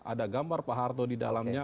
ada gambar pak harto di dalamnya